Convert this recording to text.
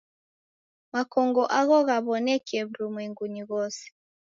Makongo agho ghaw'onekie w'urumwengunyi ghose.